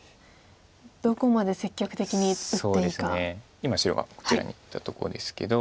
今白がこちらに打ったとこですけど。